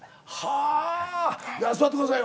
いや座ってくださいよ。